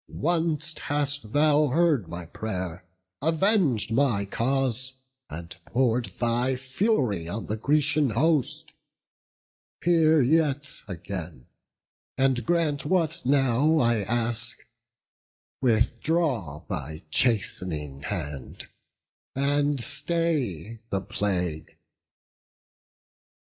Once hast thou heard my pray'r, aveng'd my cause, And pour'd thy fury on the Grecian host. Hear yet again, and grant what now I ask; Withdraw thy chast'ning hand, and stay the plague."